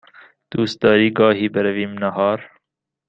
دوست داری گاهی برویم نهار؟